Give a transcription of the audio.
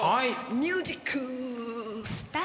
ミュージックスタート！